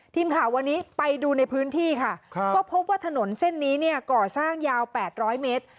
ทีมข่าววันนี้ไปดูในพื้นที่ค่ะก็พบว่าถนนเส้นนี้เนี่ยก่อสร้างยาว๘๐๐เมตร